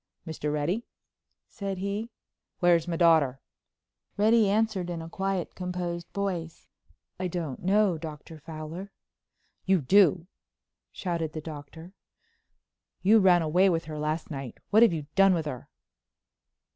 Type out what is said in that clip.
"Mr. Reddy," said he, "where's my daughter?" Reddy answered in a quiet, composed voice: "I don't know, Dr. Fowler." "You do!" shouted the Doctor. "You ran away with her last night. What have you done with her?"